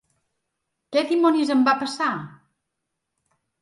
Què dimonis em va passar?